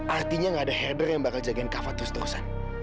artinya nggak ada header yang bakal jagain kafat terus terusan